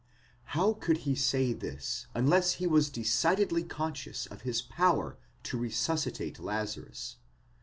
Wow could he say this unless he was decidedly conscious of his power to resuscitate Lazarus